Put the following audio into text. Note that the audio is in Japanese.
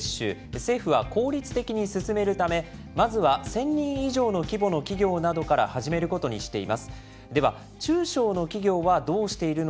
政府は効率的に進めるため、まずは１０００人以上の規模の企業から始めることにしています。